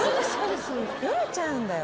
ヨレちゃうんだよ。